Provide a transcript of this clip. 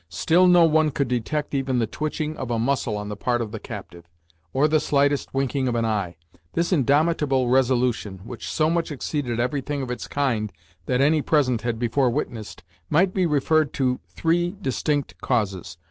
Still no one could detect even the twitching of a muscle on the part of the captive, or the slightest winking of an eye. This indomitable resolution, which so much exceeded everything of its kind that any present had before witnessed, might be referred to three distinct causes.